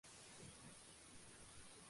Morley murió mientras estaba en esta ciudad.